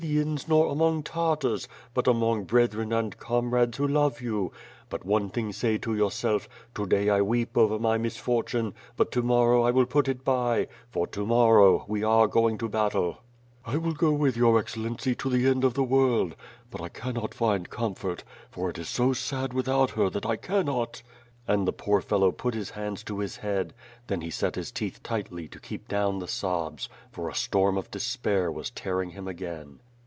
293 ians, nor among Tartars, but among brethren and comrades who love you; but one thing say to yourself: To day I weep over my misfortune, but to morrow I will put it by, for to morrow we are going to battle/ '^ "I will go with your Excellency to the end of the world, but I cannot find comfort; for it is so sad without her that I cannot ...." And the poor fellow put his hands to his head, then he set his teeth tightly to keep down the sobs, for a storm of despair was tearing him again.